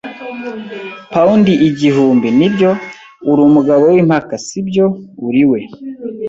pound igihumbi, nibyo? Uri umugabo wimpaka, sibyo? Uri we